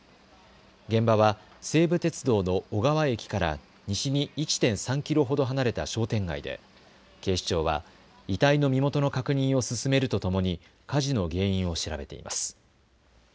現場は西武鉄道の小川駅から西に１．３キロほど離れた商店街で警視庁は遺体の身元の確認を進めるとともに火事の原因を調べています。